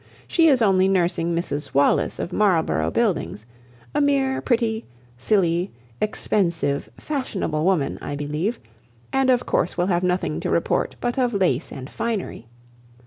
She is only nursing Mrs Wallis of Marlborough Buildings; a mere pretty, silly, expensive, fashionable woman, I believe; and of course will have nothing to report but of lace and finery.